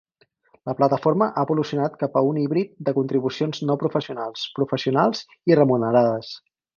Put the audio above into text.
La plataforma ha evolucionat cap a un híbrid de contribucions no professionals, professionals i remunerades.